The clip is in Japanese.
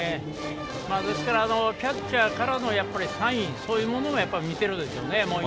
ですからキャッチャーからのサインそういうものを見ているでしょうね。